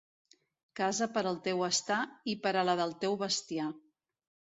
Casa per al teu estar i per a la del teu bestiar.